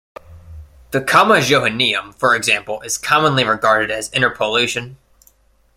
The Comma Johanneum, for example, is commonly regarded as interpolation.